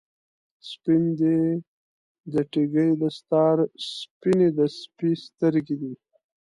سپین دی د ټګۍ دستار، سپینې د سپي سترګی دي